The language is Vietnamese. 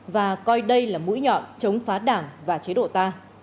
và coi đây là mũi nhọn chống phá đảng và chế độ ta